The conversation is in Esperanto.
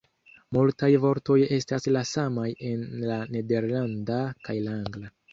Multaj vortoj estas la samaj en la nederlanda kaj la angla.